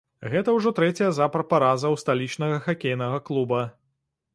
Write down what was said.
Гэта ўжо трэцяя запар параза ў сталічнага хакейнага клуба.